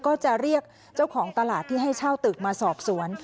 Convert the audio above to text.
ก็จะเรียกเจ้าของตลาดที่ให้เช่าตึกมาสอบสวน